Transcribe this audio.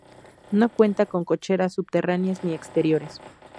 No cuenta con cocheras subterráneas ni exteriores.